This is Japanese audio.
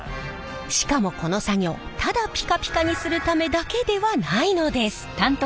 しかもこの作業ただピカピカにするためだけではないのです。